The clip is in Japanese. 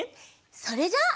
それじゃあ。